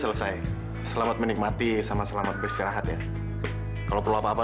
selesai selamat menikmati sama selamat beristirahat ya kalau perlu apa apa